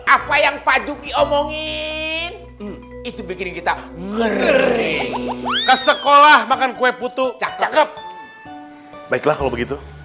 apa yang pak juki omongin itu bikin kita ke sekolah makan kue putu cake cakep baiklah kalau begitu